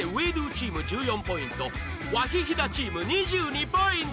チーム１４ポイントワヒヒダチーム２２ポイント